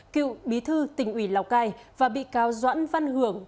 cựu bí thư tỉnh ủy lào cai và bị cáo doãn văn hưởng